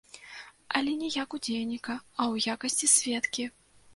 Але не як удзельніка, а ў якасці сведкі.